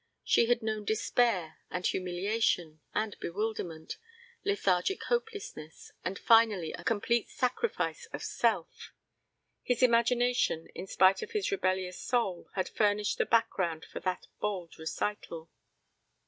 She had known despair and humiliation and bewilderment, lethargic hopelessness, and finally a complete sacrifice of self. His imagination, in spite of his rebellious soul, had furnished the background for that bald recital.